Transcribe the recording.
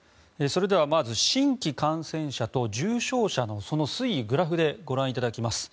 それではまず新規感染者と重症者の推移グラフでご覧いただきます。